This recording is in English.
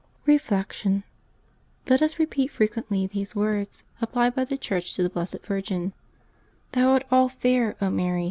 Reflection. — Let us repeat frequently these words ap plied by the Church to the Blessed Virgin :" Thou art all fair, Mary!